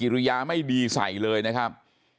ริยาไม่ดีใส่เลยนะครับ